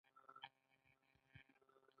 د سالنګ لاره د شمال میوې راوړي.